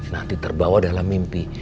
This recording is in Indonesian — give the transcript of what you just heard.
nanti terbawa dalam mimpi